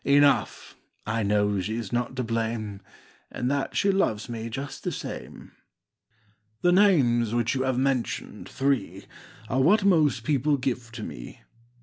Enough, I know she's not to blame. And that she loves me just the same." Copyrighted, 1897 I HE names which you have mentioned, three, what most people give to me."